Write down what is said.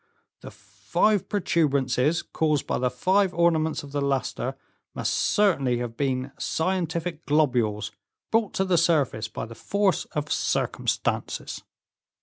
"The five protuberances, caused by the five ornaments of the luster, must certainly have been scientific globules, brought to the surface by the force of circumstances."